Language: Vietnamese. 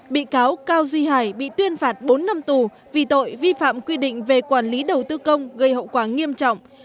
bị cáo cao duy hải bị tuyên phạt bốn năm tù vì tội vi phạm quy định về quản lý đầu tư công gây hậu quả nghiêm trọng